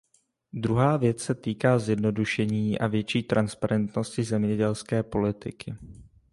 Druhá věc se týká zjednodušení a větší transparentnosti zemědělské politiky.